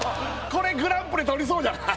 これグランプリとりそうじゃない？